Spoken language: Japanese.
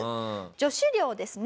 女子寮のですね